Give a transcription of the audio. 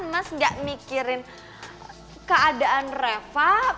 mas gak mikirin keadaan reva